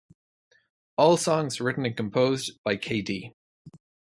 All songs written and composed by k.d.